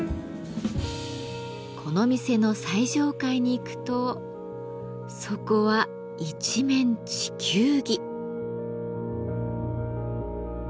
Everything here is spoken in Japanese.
この店の最上階に行くとそこは一面地球儀。